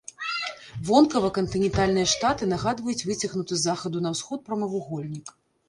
Вонкава кантынентальныя штаты нагадваюць выцягнуты з захаду на ўсход прамавугольнік.